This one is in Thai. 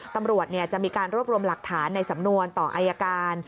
ตำรวจจะมีการรวบรวมหลักฐานในสำนวนต่ออายการ